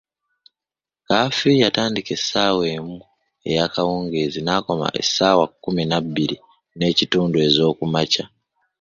Kafiyu atandika essaawa emu eyakawungeezi n'akoma essaawa kumi na bbiri n'ekitundu ez'okumakya.